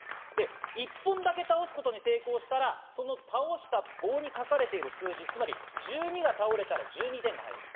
１本だけ倒すことに成功したら、その倒した棒に書かれている数字、つまり１２が倒れたら１２点が入ります。